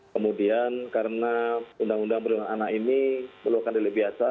kemudian karena undang undang berhubungan anak ini melakukan diri biasa